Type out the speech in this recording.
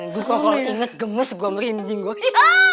suka kalau inget gemes gue merinding gue